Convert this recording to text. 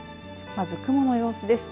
まず、雲の様子です。